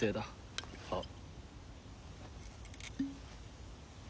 あっ。